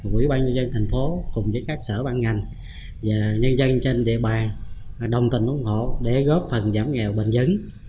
quỹ ban nhân dân thành phố cùng với các sở ban ngành và nhân dân trên địa bàn đồng tình ủng hộ để góp phần giảm nghèo bình dứng